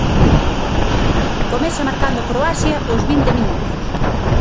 Comeza marcando Croacia aos vinte minutos.